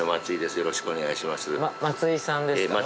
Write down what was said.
よろしくお願いします